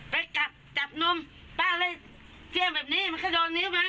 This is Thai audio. ไปจับจับนมป้าเลยเที่ยงแบบนี้มันก็โดนนิ้วมัน